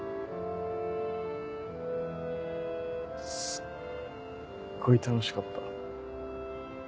すっごい楽しかった。